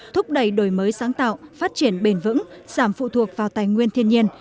thúc đẩy đổi mới sáng tạo phát triển bền vững giảm phụ thuộc vào tài nguyên thiên nhiên